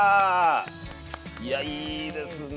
いやいいですね。